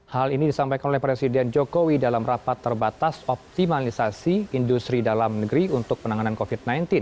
hal ini disampaikan oleh presiden jokowi dalam rapat terbatas optimalisasi industri dalam negeri untuk penanganan covid sembilan belas